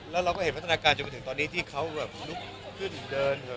และเราก็เห็นทากาลจนถึงวันนี้เค้าลุกขึ้นเดิน